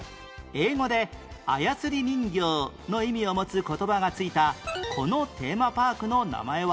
英語で「操り人形」の意味を持つ言葉が付いたこのテーマパークの名前は？